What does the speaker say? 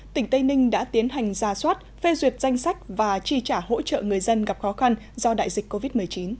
tỉnh tây ninh đã tiến hành ra soát phê duyệt danh sách và chi trả hỗ trợ người dân gặp khó khăn do đại dịch covid một mươi chín